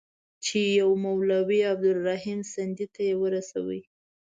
چي مولوي عبدالرحیم سندي ته یې ورسوي.